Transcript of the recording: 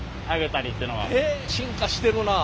へえ進化してるな。